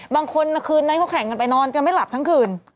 บางคนน้ำหน่อยก็แข่งกันไปนอนก็ไม่หลับทั้งคืน